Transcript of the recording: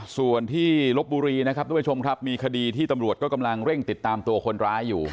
ส่วนที่ลบบุรีนะครับทุกผู้ชมครับมีคดีที่ตำรวจก็กำลังเร่งติดตามตัวคนร้ายอยู่